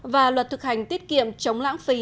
và luật thực hành tiết kiệm chống lãng phí